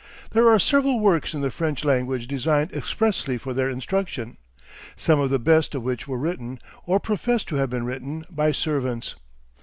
There are several works in the French language designed expressly for their instruction, some of the best of which were written, or professed to have been written, by servants.